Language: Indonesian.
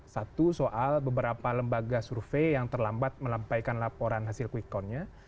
satu soal beberapa lembaga survei yang terlambat melampaikan laporan hasil quick countnya